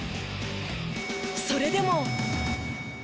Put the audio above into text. それでも。